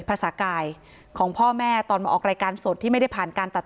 ภาษากายของพ่อแม่ตอนมาออกรายการสดที่ไม่ได้ผ่านการตัด